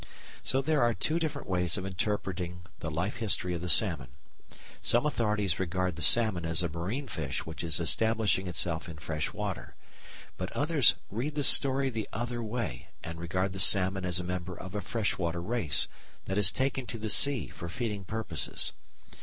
So there are two different ways of interpreting the life history of the salmon. Some authorities regard the salmon as a marine fish which is establishing itself in fresh water. But others read the story the other way and regard the salmon as a member of a freshwater race, that has taken to the sea for feeding purposes.